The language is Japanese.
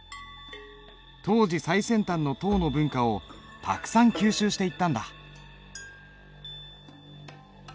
当時最先端の唐の文化をたくさん吸収していったんだ。